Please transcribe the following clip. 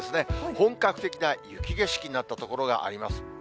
本格的な雪景色になった所があります。